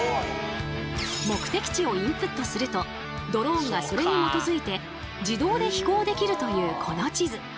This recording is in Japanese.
目的地をインプットするとドローンがそれに基づいて自動で飛行できるというこの地図。